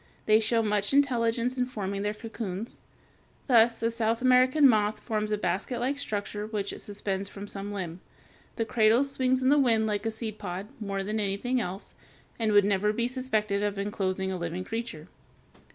They show much intelligence in forming their cocoons. Thus a South American moth (Fig. 241) forms a basketlike structure which it suspends from some limb. The cradle swings in the wind like a seed pod, more than anything else, and would never be suspected as inclosing a living creature.